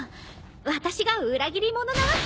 私が裏切り者なわけ。